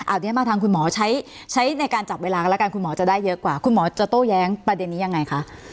อันนี้มาทางคุณหมอใช้ในการจับเวลากันแล้วกันคุณหมอจะได้เยอะกว่าคุณหมอจะโต้แย้งประเด็นนี้ยังไงคะ